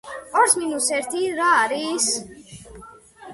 ორს მინუს ერთი რა არის?